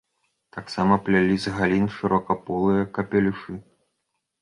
Таксама плялі з галін шыракаполыя капелюшы.